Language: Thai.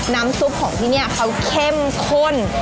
น้ำซุปของที่นี่เขาเข้มข้น